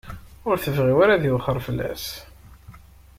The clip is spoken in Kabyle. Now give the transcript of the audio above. Ur tebɣi ara ad iwexxer fell-as.